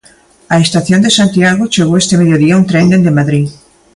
Á estación de Santiago chegou este mediodía un tren dende Madrid.